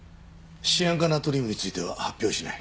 シアン化ナトリウムについては発表しない。